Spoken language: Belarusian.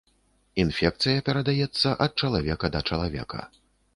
Інфекцыя перадаецца ад чалавека да чалавека.